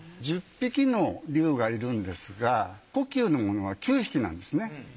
１０匹の龍がいるんですが故宮のものは９匹なんですね。